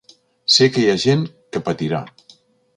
Sé que hi ha gent que patirà.